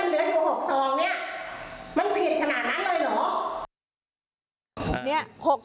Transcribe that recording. แล้วมันเหลืออยู่๖ซองมันผิดขนาดนั้นเลยเหรอ